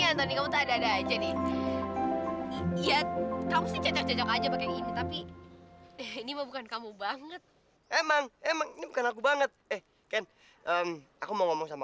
aku ninggalin kamu gitu aja